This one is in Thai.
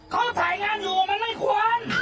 เขาถ่ายงานอยู่มันไม่ควร